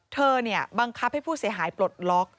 เธอเนี่ยบังคับให้ผู้เสียหายปลดล็อค